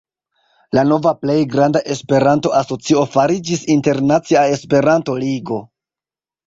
La nova plej granda Esperanto-asocio fariĝis Internacia Esperanto-Ligo.